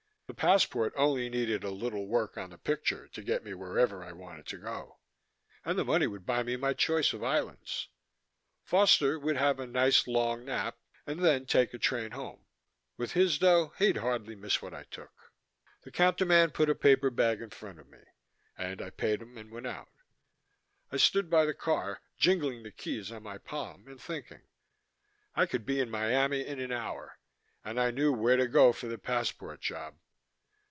The passport only needed a little work on the picture to get me wherever I wanted to go, and the money would buy me my choice of islands. Foster would have a nice long nap, and then take a train home. With his dough, he'd hardly miss what I took. The counterman put a paper bag in front of me and I paid him and went out. I stood by the car, jingling the keys on my palm and thinking. I could be in Miami in an hour, and I knew where to go for the passport job.